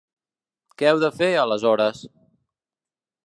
Què heu de fer, aleshores?